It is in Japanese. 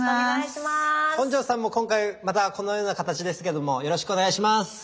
本上さんも今回またこのような形ですけどもよろしくお願いします。